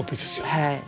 はい。